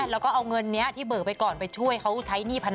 แล้วก็เอาเงินนี้ที่เบิกไปก่อนไปช่วยเขาใช้หนี้พนัน